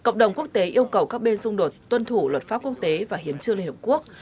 cộng đồng quốc tế yêu cầu các bên xung đột tuân thủ luật pháp quốc tế và hiến trương liên hợp quốc